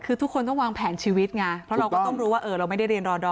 คือทุกคนต้องวางแผนชีวิตไงเพราะเราก็ต้องรู้ว่าเราไม่ได้เรียนรอดอ